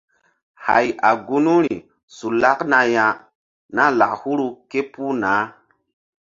Hay a gunuri su lakna ya na lak huru ké puh nah.